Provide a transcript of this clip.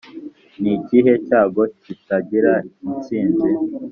nikihe cyago kitagira insinzi?"